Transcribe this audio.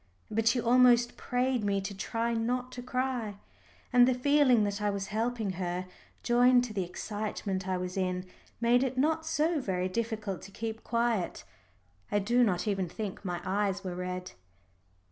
But she almost prayed me to try not to cry, and the feeling that I was helping her, joined to the excitement I was in, made it not so very difficult to keep quiet. I do not even think my eyes were red.